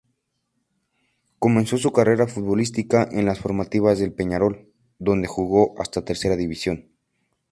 Comenzó su carrera futbolística en las formativas de Peñarol, donde jugó hasta tercera división.